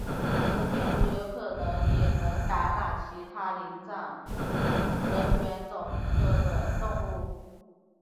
此病毒有可能也能感染其他灵长目人猿总科的动物。